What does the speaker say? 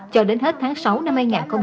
cho đến hết tháng sáu năm hai nghìn một mươi chín